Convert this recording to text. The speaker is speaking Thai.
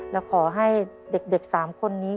แล้วขอให้เด็ก๓คนนี้